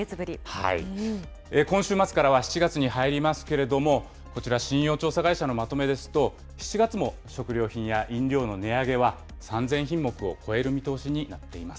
今週末からは７月に入りますけれども、こちら、信用調査会社のまとめですと、７月も食料品や飲料の値上げは３０００品目を超える見通しになっています。